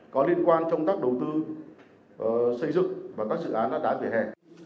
có liên quan trong các đầu tư xây dựng và các dự án đá đá về hẻ